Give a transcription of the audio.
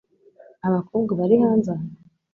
Abakobwa bari hanze aha?